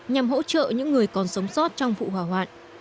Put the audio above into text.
nhằm hỗ trợ những người còn sống sót trong vụ hỏa hoạn